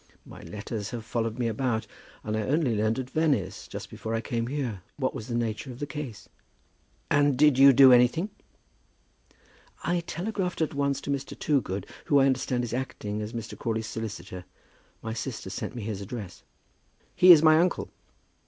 My letters have followed me about, and I only learned at Venice, just before I came here, what was the nature of the case." "And did you do anything?" "I telegraphed at once to Mr. Toogood, who I understand is acting as Mr. Crawley's solicitor. My sister sent me his address." "He is my uncle."